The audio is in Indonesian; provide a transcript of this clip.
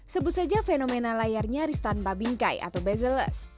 sebut saja fenomena layarnya ristan babingkai atau bezel less